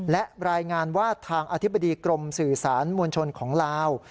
และรายงานว่าทางอธิบดีกรมสื่อสารมวลชนของลาว